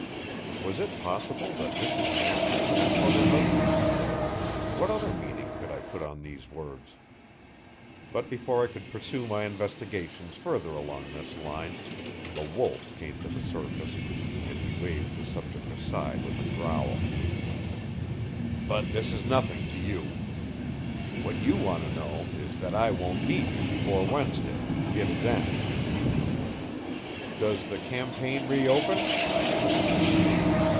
Was it possible that Mrs. Knapp had sent for her husband? What other meaning could I put on these words? But before I could pursue my investigations further along this line, the wolf came to the surface, and he waved the subject aside with a growl. "But this is nothing to you. What you want to know is that I won't need you before Wednesday, if then." "Does the campaign reopen?" I asked.